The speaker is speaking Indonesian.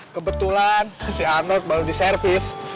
kebetulan si arnold baru di servis